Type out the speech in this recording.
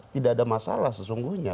tidak ada masalah sesungguhnya